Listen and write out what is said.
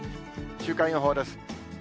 週間予報です。